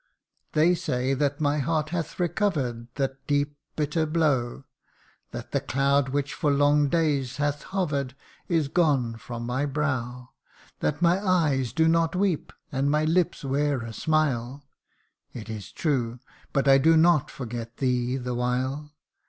They say that my heart hath recover'd The deep bitter blow ; That the cloud which for long days hath hover'd, Is gone from my brow ; That my eyes do not weep, and my lips wear a smile ; It is true but I do not forget thee the while.